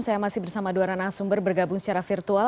saya masih bersama dua ranah sumber bergabung secara virtual